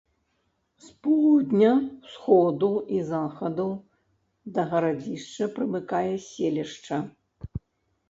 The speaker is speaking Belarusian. З поўдня, усходу і захаду да гарадзішча прымыкае селішча.